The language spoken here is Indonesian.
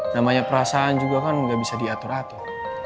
namanya perasaan juga kan nggak bisa diatur atur